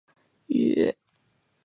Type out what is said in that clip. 与肛交的定义不同。